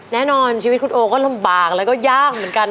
แน่นอนชีวิตคุณโอก็ลำบากแล้วก็ยากเหมือนกัน